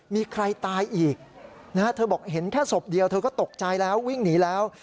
มีใครตายอีกนะฮะเธอบอกเห็นแค่ศพเดียวเธอก็ตกใจแล้ววิ่งหนีแล้ว